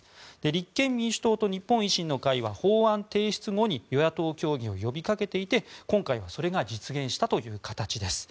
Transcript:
立憲民主党と日本維新の会は法案提出後に与野党協議を呼びかけていて今回はそれが実現したという形です。